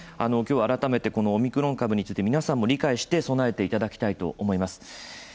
きょう改めてこのオミクロン株について皆さんも理解して備えていただきたいと思います。